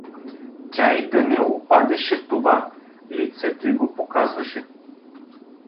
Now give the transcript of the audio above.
Тя и да не обадеше това, лицето й го показваше.